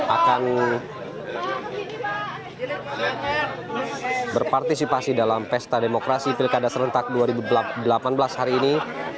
akan berpartisipasi dalam pesta demokrasi pilkada serentak dua ribu delapan belas hari ini